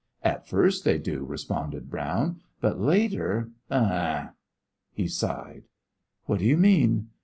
"At first they do," responded Brown, "but later ah!" He sighed. "What do you mean?"